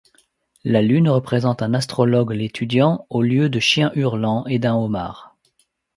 La Lune représente un astrologue l'étudiant, au lieu de chiens hurlants et d'un homard.